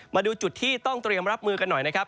มาดูจุดที่ต้องเตรียมรับมือกันหน่อยนะครับ